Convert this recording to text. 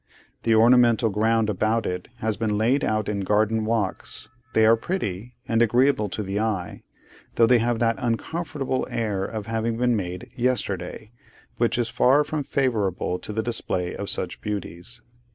The ornamental ground about it has been laid out in garden walks; they are pretty, and agreeable to the eye; though they have that uncomfortable air of having been made yesterday, which is far from favourable to the display of such beauties.